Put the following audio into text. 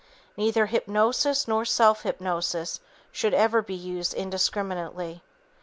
Neither hypnosis nor self hypnosis should ever be used indiscriminately.